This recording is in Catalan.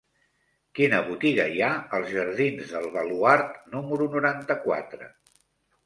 Quina botiga hi ha als jardins del Baluard número noranta-quatre?